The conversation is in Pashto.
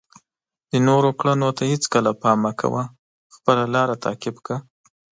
د نورو کړنو ته هیڅکله پام مه کوه، خپله لاره تعقیب کړه.